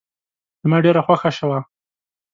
زما ډېره خوښه شوه.